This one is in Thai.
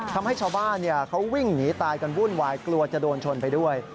ทำให้ชาวบ้านเขาวิ่งหนีตายกันวุ่นวายกลัวจะโดนชนไปด้วย